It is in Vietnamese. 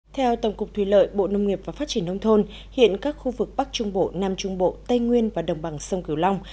theo tổng cục thủy lợi bộ nông nghiệp và phát triển nông thôn hiện các khu vực bắc trung bộ nam trung bộ tây nguyên và đồng bằng sông cửu long